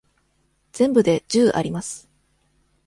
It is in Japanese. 全部で十あります。